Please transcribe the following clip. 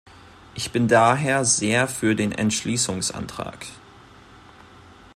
Ich bin daher sehr für den Entschließungsantrag.